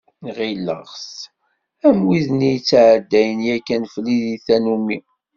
Ɣilleɣ-t am wid-nni yettɛeddayen yakan fell-i di tannumi.